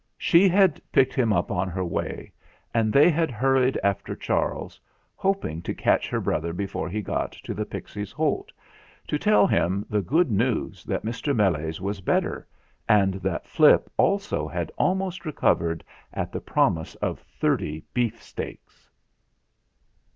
She had picked him up on her way, and they had hurried after Charles, hoping to catch her brother before he got to the Pixies' Holt, to tell him the good news, that Mr. Meles was better and that Flip also had almost re covered at the promise of thirty beefsteaks.